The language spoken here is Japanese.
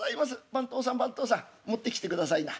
番頭さん番頭さん持ってきてくださいな。